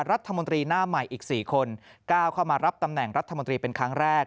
รัฐมนตรีหน้าใหม่อีก๔คนก้าวเข้ามารับตำแหน่งรัฐมนตรีเป็นครั้งแรก